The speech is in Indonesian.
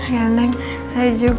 ya neng saya juga